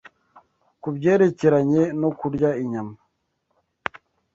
ku byerekeranye no kurya inyama